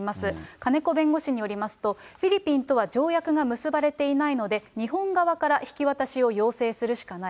金子弁護士によりますと、フィリピンとは条約が結ばれていないので、日本側から引き渡しを要請するしかない。